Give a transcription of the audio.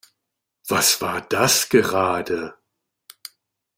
Was war das gerade?